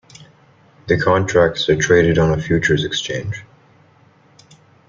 The contracts are traded on a futures exchange.